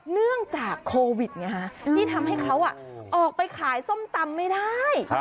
เนื่องจากโควิดไงฮะที่ทำให้เขาออกไปขายส้มตำไม่ได้